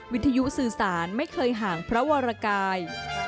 วิทยุสื่อสารไม่เคยห่างพระวรกาย